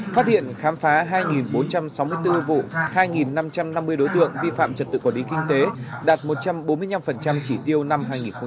phát hiện khám phá hai bốn trăm sáu mươi bốn vụ hai năm trăm năm mươi đối tượng vi phạm trật tự quản lý kinh tế đạt một trăm bốn mươi năm chỉ tiêu năm hai nghìn một mươi chín